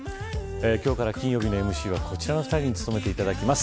今日から金曜日のＭＣはこちらの２人に務めていただきます。